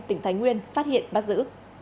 tỉnh thái nguyên phát hiện bắt giữ